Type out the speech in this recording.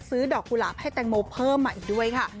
ดอกกุหลาบให้แตงโมเพิ่มมาอีกด้วยค่ะ